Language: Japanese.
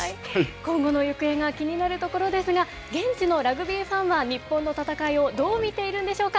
今後の行方が気になるところですが、現地のラグビーファンは日本の戦いをどう見ているんでしょうか。